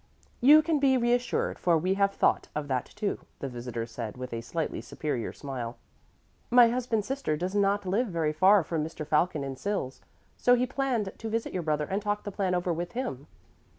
"You can be reassured, for we have thought of that, too," the visitor said with a slightly superior smile. "My husband's sister does not live very far from Mr. Falcon in Sils. So he planned to visit your brother and talk the plan over with him."